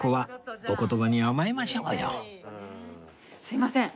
すいません。